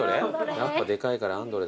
やっぱでかいからアンドレだ。